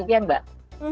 itu saja mbak